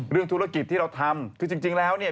เรื่องธุรกิจที่เราทำคือจริงแล้วเนี่ย